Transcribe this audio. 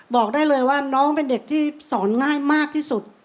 บอกได้เลยว่าน้องเป็นเด็กที่สอนง่ายมากที่สุด